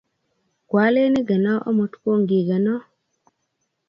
Kwaleen igeno amut kongigenoo